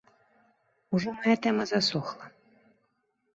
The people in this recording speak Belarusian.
Ужо мая тэма засохла.